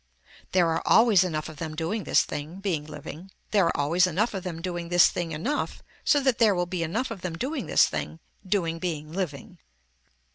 There are always enough of them doing this thing, being living. There are always enough of them doing this thing enough so that there will be enough of them doing this thing, doing being living.